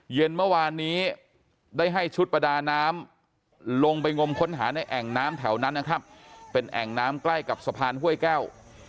เย็นเมื่อวานนี้ได้ให้ชุดประดาน้ำลงไปงมค้นหาในแอ่งน้ำแถวนั้นนะครับเป็นแอ่งน้ำใกล้กับสะพานห้วยแก้ว